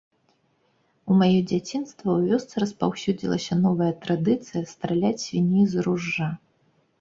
У маё дзяцінства ў вёсцы распаўсюдзілася новая традыцыя страляць свіней з ружжа.